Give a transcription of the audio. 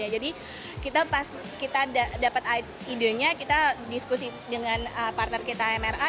jadi kita pas kita dapat idenya kita diskusi dengan partner kita mra